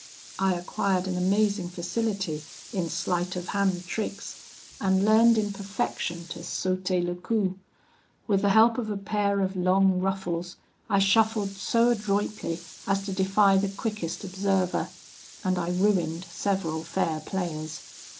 I acquired an amazing facility in sleight of hand tricks, and learned in perfection to sauter le coup; with the help of a pair of long ruffles, I shuffled so adroitly as to defy the quickest observer, and I ruined several fair players.